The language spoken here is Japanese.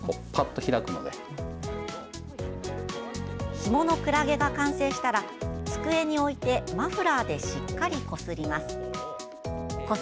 ひものくらげが完成したら机に置いてマフラーでしっかりこすります。